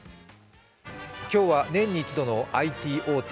今日は年に一度のＩＴ大手